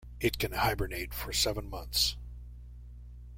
It can hibernate for seven months.